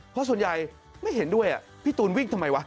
เพราะส่วนใหญ่ไม่เห็นด้วยพี่ตูนวิ่งทำไมวะ